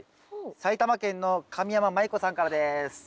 埼玉県の神山まい子さんからです。